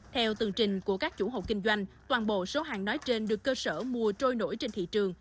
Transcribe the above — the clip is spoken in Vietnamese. theo tường trình của các chủ hộ kinh doanh toàn bộ số hàng nói trên được cơ sở mua trôi nổi trên thị trường